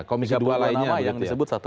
komisi dua lainnya